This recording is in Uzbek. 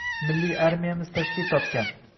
Milliy armiyamiz tashkil topgan